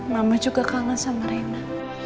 mama juga kangen sama reina